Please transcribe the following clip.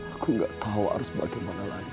aku nggak tahu harus bagaimana lagi